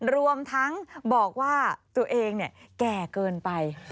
รวมทั้งบอกว่าตัวเองแก่เกินไป